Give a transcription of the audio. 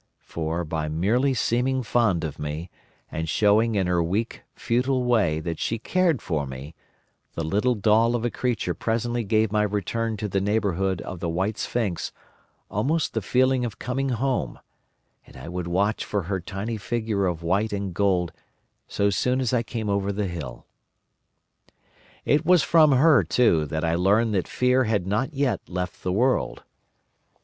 For, by merely seeming fond of me, and showing in her weak, futile way that she cared for me, the little doll of a creature presently gave my return to the neighbourhood of the White Sphinx almost the feeling of coming home; and I would watch for her tiny figure of white and gold so soon as I came over the hill. "It was from her, too, that I learnt that fear had not yet left the world.